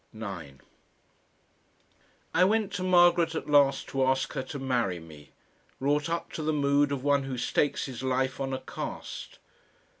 9 I went to Margaret at last to ask her to marry me, wrought up to the mood of one who stakes his life on a cast.